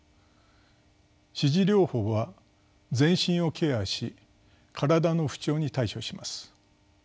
支持療法は全身をケアし身体の不調に対処します。